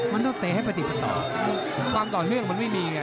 มันต้องเตะให้ปฏิกันต่อความต่อเนื่องมันไม่มีไง